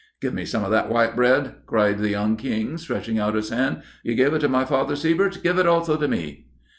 'Give me some of that white bread,' cried the young King, stretching out his hand. 'You gave it to my father Siebert; give it also to me.